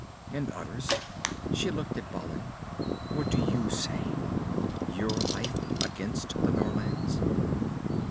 And others." She looked at Balin. "What do you say? Your life against the Norlands?"